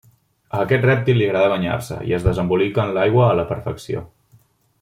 A aquest rèptil li agrada banyar-se i es desembolica en l'aigua a la perfecció.